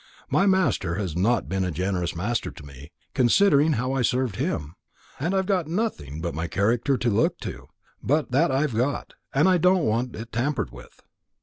My master has not been a generous master to me, considering how I've served him, and I've got nothing but my character to look to; but that I have got, and I don't want it tampered with."